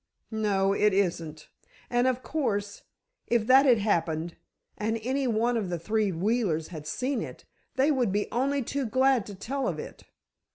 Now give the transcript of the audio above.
"No; it isn't. And, of course, if that had happened, and any one of the three Wheelers had seen it, they would be only too glad to tell of it.